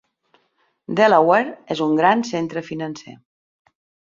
Delaware és un gran centre financer.